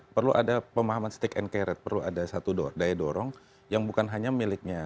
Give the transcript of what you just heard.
perlu ada pemahaman stick and carrot perlu ada satu daya dorong yang bukan hanya miliknya